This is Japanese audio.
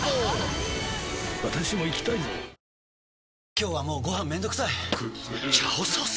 今日はもうご飯めんどくさい「炒ソース」！？